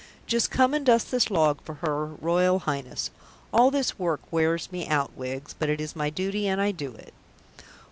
Just come and dust this log for her Royal Highness. All this work wears me out, Wiggs, but it is my duty and I do it."